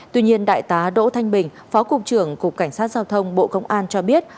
tuy nhiên đại tá đỗ thanh bình phó cục trưởng cục cảnh sát giao thông bộ công an cho biết